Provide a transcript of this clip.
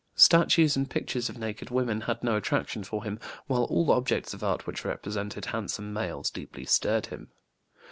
Statues and pictures of naked women had no attraction for him, while all objects of art which represented handsome males deeply stirred him.